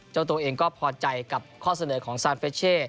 เจ้าตัวเองก็พอใจกับข้อเสนอของซานเฟชเช่